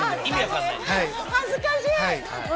恥ずかしい。